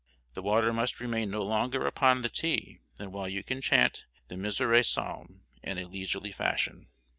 The water must remain no longer upon the tea than while you can chant the Miserere psalm in a leisurely fashion."